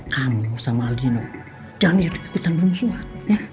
kamu sama aldino jangan lihat itu kipitan bermusuhan